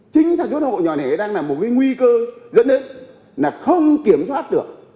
chính sản xuất hộ nhỏ nẻ đang là một cái nguy cơ dẫn đến là không kiểm soát được